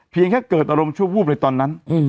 เพียงแค่เกิดอารมณ์ชั่วพูดไปตอนนั้นอืม